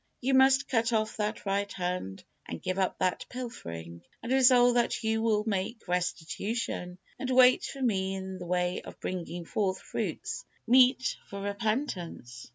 You must cut off that right hand, and give up that pilfering, and resolve that you will make restitution, and wait for Me in the way of bringing forth fruits meet for repentance."